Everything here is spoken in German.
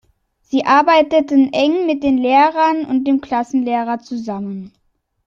Sie arbeiteten eng mit den Lehrern und dem Klassenlehrer zusammen.